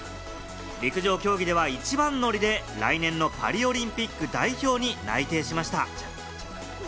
陸上競技では一番乗りで来年のパリオリンピック代表に内定しました。